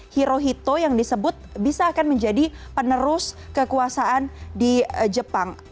herohito yang disebut bisa akan menjadi penerus kekuasaan di jepang